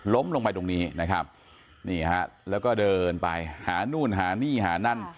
ลงไปตรงนี้นะครับนี่ฮะแล้วก็เดินไปหานู่นหานี่หานั่น